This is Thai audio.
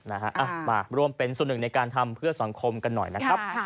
นะฮะมาร่วมเป็นส่วนหนึ่งในการทำเพื่อสังคมกันหน่อยนะครับ